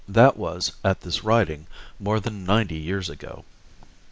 That was, at this writing, more than ninety years ago.